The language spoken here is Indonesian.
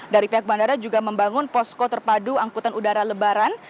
dari pihak bandara juga membangun posko terpadu angkutan udara lebaran